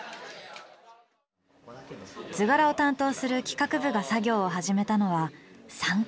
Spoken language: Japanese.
図柄を担当する企画部が作業を始めたのは３か月前。